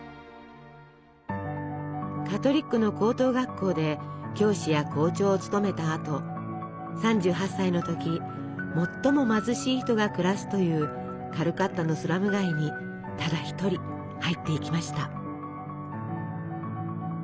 カトリックの高等学校で教師や校長を務めたあと３８歳の時最も貧しい人が暮らすというカルカッタのスラム街にただ１人入っていきました。